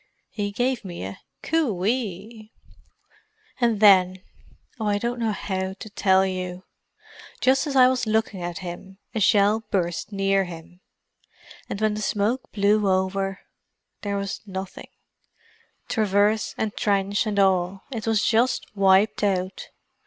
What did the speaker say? He gave me a 'Coo ee!' "And then—oh, I don't know how to tell you. Just as I was looking at him a shell burst near him: and when the smoke blew over there was nothing—traverse and trench and all, it was just wiped out.